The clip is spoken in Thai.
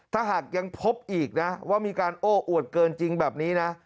ถ้าหากยังพบอีกนะว่ามีการโอ้อวดเกินจริงแบบนี้นะ